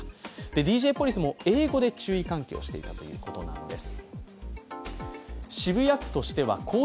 ＤＪポリスも英語で注意喚起をしているという状況なんです。